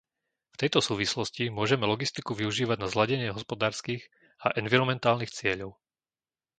V tejto súvislosti môžeme logistiku využívať na zladenie hospodárskych a environmentálnych cieľov.